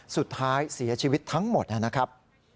สุดท้ายเสียชีวิตทั้งหมดนะครับ